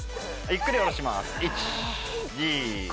ゆっくり下ろします